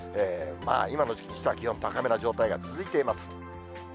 今の時期にしたら気温、高めな状態が続いています。